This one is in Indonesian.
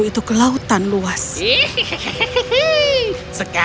dan tanpa amat dia menemukan mereka